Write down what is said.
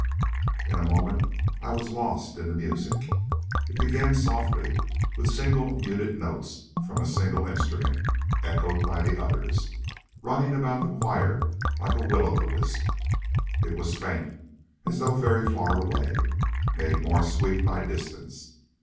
In a moment I was lost in the music. It began softly, with single muted notes from a single instrument, echoed by the others, running about the choir like a will o' the wisp. It was faint, as though very far away, made more sweet by distance.